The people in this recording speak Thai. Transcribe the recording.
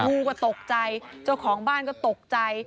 งูก็ตกใจเจ้าของบ้านก็ตกใจ